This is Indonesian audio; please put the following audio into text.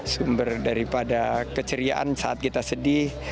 sumber daripada keceriaan saat kita sedih